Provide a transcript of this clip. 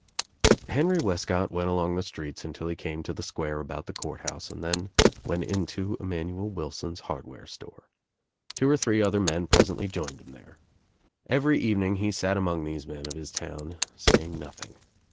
Henry Wescott went along the streets until he came to the square about the court house and then went into Emanuel Wilson's Hardware Store. Two or three other men presently joined him there. Every evening he sat among these men of his town saying nothing.